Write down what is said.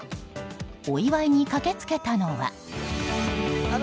お祝いに駆けつけたのは。